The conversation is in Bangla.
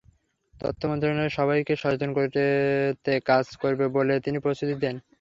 তথ্য মন্ত্রণালয় সবাইকে সচেতন করতে কাজ করবে বলে তিনি প্রতিশ্রুতি দেন।